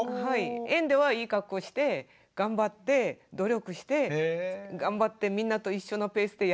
園ではいいかっこして頑張って努力して頑張ってみんなと一緒のペースでやってるんですよ。